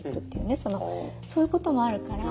そういうこともあるから。